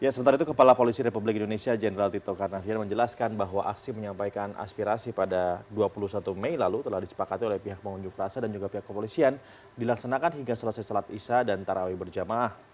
sementara itu kepala polisi republik indonesia jenderal tito karnavian menjelaskan bahwa aksi menyampaikan aspirasi pada dua puluh satu mei lalu telah disepakati oleh pihak pengunjuk rasa dan juga pihak kepolisian dilaksanakan hingga selesai selat isya dan tarawih berjamaah